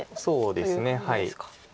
そうですね。